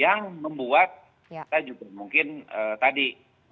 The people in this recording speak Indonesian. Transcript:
yang membuat kita juga mungkin tadi